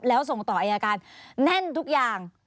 แล้วส่งต่ออายการแน่นทุกอย่าง